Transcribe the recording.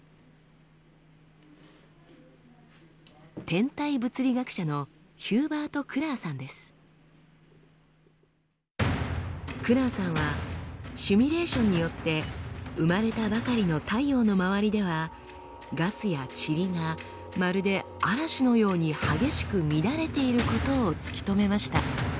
天体物理学者のクラーさんはシミュレーションによって生まれたばかりの太陽の周りではガスやチリがまるで嵐のように激しく乱れていることを突き止めました。